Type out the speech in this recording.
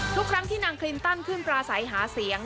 ทุกครั้งที่นางคลินตันขึ้นปลาใสหาเสียง